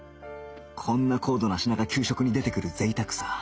こんな高度な品が給食に出てくる贅沢さ